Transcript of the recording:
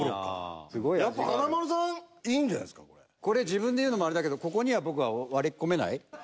これ自分で言うのもあれだけどいや割り込めない。